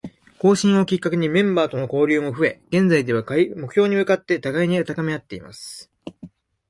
更新をきっかけにメンバーとの交流も増え、現在では、目標に向かって互いに高めあっています。